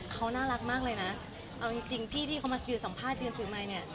เค้าน่ารักมากเลยนะเอาจริงพี่ที่เค้ามาเสียสัมภาษณ์เรียนสื่อใหม่เนี่ย